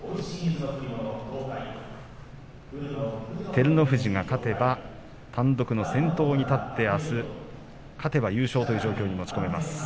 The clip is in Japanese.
照ノ富士、勝てば単独先頭に立ってあす勝てば優勝という状況に持ち込みます。